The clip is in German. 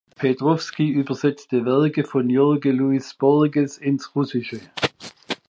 Petrowsky übersetzte Werke von Jorge Luis Borges ins Russische.